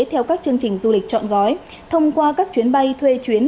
theo các chương trình du lịch chọn gói thông qua các chuyến bay thuê chuyến